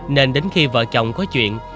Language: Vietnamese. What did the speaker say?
nên đến khi vợ chồng có chuyện